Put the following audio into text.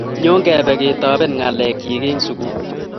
nyo kebe ketoben ngalek chi eng sukul.